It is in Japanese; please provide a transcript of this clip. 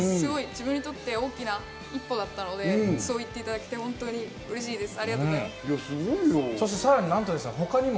自分にとって大きな一歩だったので、そう言っていただけて、本当に嬉しいです。